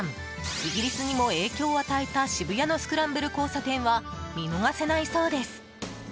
イギリスにも影響を与えた渋谷のスクランブル交差点は見逃せないそうです。